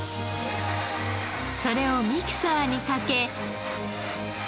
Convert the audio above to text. それをミキサーにかけ。